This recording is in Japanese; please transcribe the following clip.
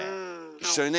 一緒にね